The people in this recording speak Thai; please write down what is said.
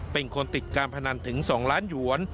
เป็นคนติดการพนันถึง๒ล้านหยวน